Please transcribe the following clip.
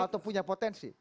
atau punya potensi